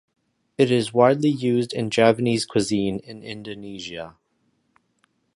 It is widely used in Javanese cuisine in Indonesia.